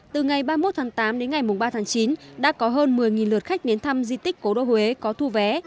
từ ngày ba mươi một tháng tám đến ngày ba tháng chín đã có hơn một mươi lượt khách đến thăm di tích cố đô huế có thu vé